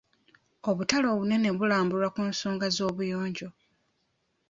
Obutale obunene bulambulwa ku nsonga z'obuyonjo.